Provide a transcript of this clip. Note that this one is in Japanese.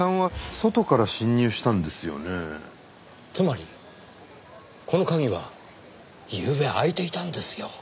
つまりこの鍵はゆうべ開いていたんですよ。